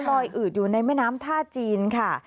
อืดอยู่ในแม่น้ำท่าจีนค่ะ